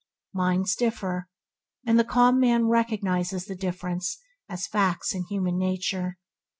Minds differ, and the calm man recognizes the differences as facts in human nature.